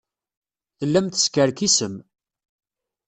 Tellam teskerkisem.